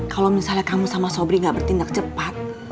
kalau misalnya kamu sama sobri gak bertindak cepat